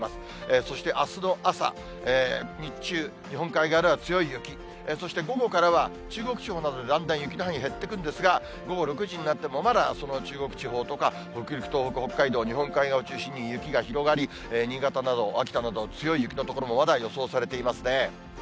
そしてあすの朝、日中、日本海側では強い雪、そして午後からは中国地方などでだんだん雪の範囲、減っていくんですが、午後６時になっても、まだその中国地方とか、北陸、東北、北海道、日本海側を中心に雪が広がり、新潟など、秋田など、強い雪の所、まだ予想されていますね。